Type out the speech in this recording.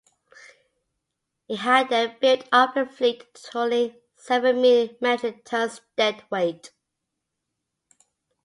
He had then built up a fleet totaling seven million metric tons dead weight.